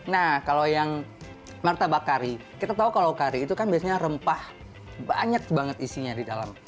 nah kalau yang martabak kari kita tahu kalau kari itu kan biasanya rempah banyak banget isinya di dalam